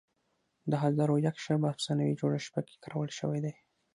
د هزار و یک شب افسانوي جوړښت پکې کارول شوی دی.